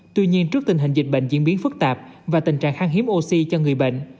tuy nhiên trước tình hình dịch bệnh diễn biến phức tạp và tình trạng khang hiếm oxy cho người bệnh